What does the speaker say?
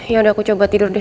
yaudah aku coba tidur deh